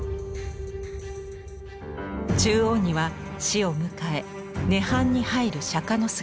中央には死を迎え涅槃に入る釈迦の姿。